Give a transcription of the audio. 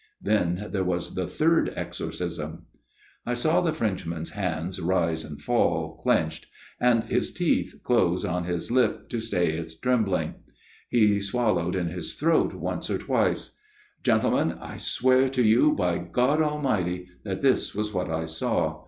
" Then there was the third exorcism." I saw the Frenchman's hands rise and fall, clenched, and his teeth close on his lip to stay its FATHER MEURON'S TALE 49 trembling. He swallowed in his throat once or twice. " Gentlemen, I swear to you by God Almighty that this was what I saw.